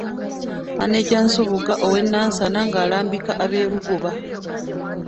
Maneja Nsubuga ow'e Nansana ng'alambika ab'e Lugoba.